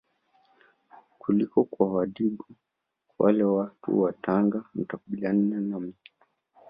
kuliko kwa wadigo kwa wale watu wa Tanga mtakubaliana na mimi